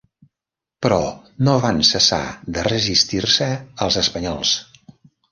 Però no van cessar de resistir-se als espanyols.